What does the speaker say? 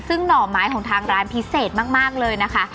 ซึ่งหน่อไม้ของทางร้านพิเศษมากเลยนะคะ